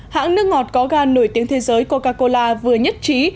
hãng nước ngọt có ga nổi tiếng thế giới coca cola vừa nhất trí